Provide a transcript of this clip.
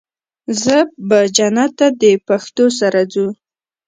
زه به جنت ته د پښتو سره ځو